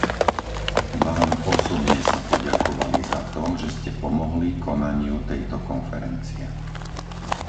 Vám osobne sa poďakovali za to, že ste pomohli konaniu tejto konferencie.